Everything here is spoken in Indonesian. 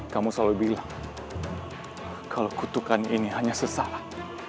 kamu selalu bilang kalau kutukan ini hanya sesalan